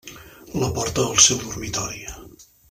La porta al seu dormitori.